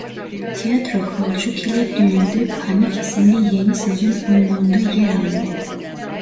Tiyatro Kılçık ile Düğünde Panik isimli yeni sezon oyununda yer alıyor.